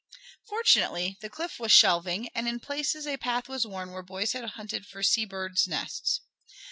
Fortunately the cliff was shelving and in places a path was worn where boys had hunted for sea birds' nests.